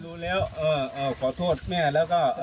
รู้แล้วขอโทษแม่แล้วก็โอเค